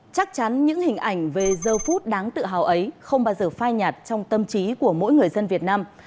chắc chắn những hình ảnh về giờ phút đáng tự hào ấy không bao giờ phai nhạt trong tâm trí của mỗi người dân việt nam